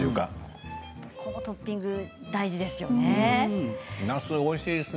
このトッピング大事ですよね。